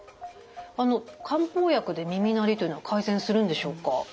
漢方薬で「耳鳴り」というのは改善するんでしょうか？